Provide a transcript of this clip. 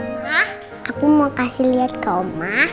ma aku mau kasih liat ke om ma